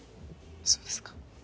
そうですか。